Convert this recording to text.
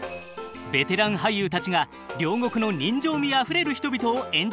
ベテラン俳優たちが両国の人情味あふれる人々を演じました。